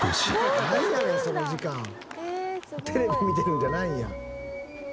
テレビ見てるんじゃないんや。